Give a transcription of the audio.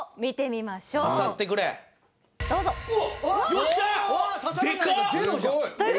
よっしゃー！